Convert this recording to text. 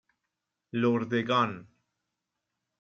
لردگان